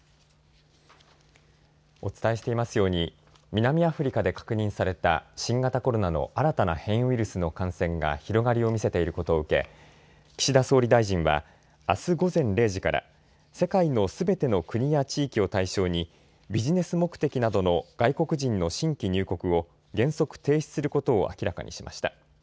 お伝えしていますように南アフリカで確認された新型コロナの新たな変異ウイルスの感染が広がりを見せていることを受け岸田総理大臣はあす午前０時から世界のすべての国や地域を対象にビジネス目的などの外国人の新規入国を原則、停止することを明らかにしました。